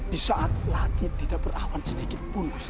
di saat langit tidak berawan sedikit pun